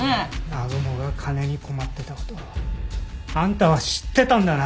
南雲が金に困ってた事をあんたは知ってたんだな。